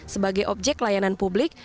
sebagai objek layanan publik